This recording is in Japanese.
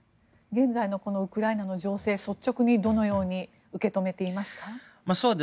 現在のウクライナの情勢率直にどのように受け止めていますか？